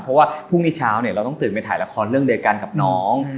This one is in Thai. เพราะว่าพรุ่งนี้เช้าเนี่ยเราต้องตื่นไปถ่ายละครเรื่องเดียวกันกับน้อง